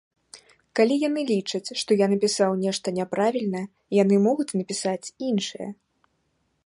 Калі яны лічаць, што я напісаў нешта няправільна, яны могуць напісаць іншае.